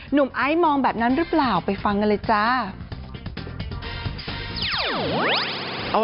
ไอซ์มองแบบนั้นหรือเปล่าไปฟังกันเลยจ้า